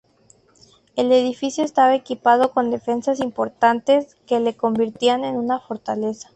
El edificio estaba equipado con defensas importantes, que le convertían en una fortaleza.